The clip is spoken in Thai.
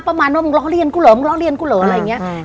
ประมาณว่ามึงล้อเรียนกูเหรอมึงล้อเรียนกูเหรออะไรอย่างนี้